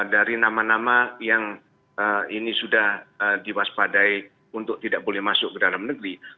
dari nama nama yang ini sudah diwaspadai untuk tidak boleh masuk ke dalam negeri